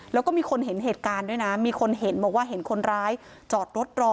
แล้วก็มีคนเห็นเหตุการณ์ด้วยนะมีคนเห็นบอกว่าเห็นคนร้ายจอดรถรอ